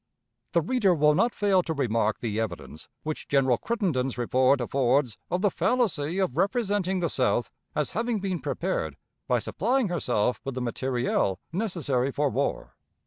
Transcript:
The reader will not fail to remark the evidence which General Crittenden's report affords of the fallacy of representing the South as having been prepared by supplying herself with the materiél necessary for war.